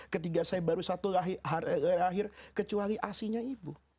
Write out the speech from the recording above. ketika saya baru satu lahir kecuali asinya ibu